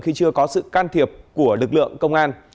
khi chưa có sự can thiệp của lực lượng công an